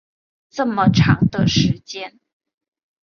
这么长的时间